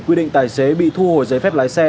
quy định tài xế bị thu hồi giấy phép lái xe